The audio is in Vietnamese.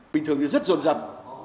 bình thường thì rất rộn rập